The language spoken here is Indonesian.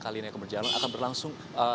kalian yang berjalan akan berlangsung